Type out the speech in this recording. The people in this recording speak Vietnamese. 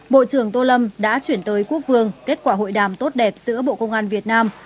bộ trưởng tô lâm đã chuyển tới quốc vương kết quả hội đàm tốt đẹp giữa bộ công an việt nam